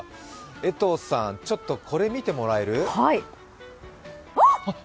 江藤さん、ちょっとこれ見てもらえる？